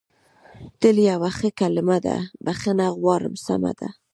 تل یوه ښه کلمه نه ده، بخښنه غواړم، سمه ده.